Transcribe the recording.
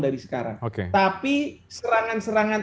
dari sekarang oke tapi serangan serangan